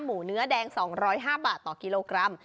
หมูเนื้อแดง๒๐๕บาทต่อกิโลกรัม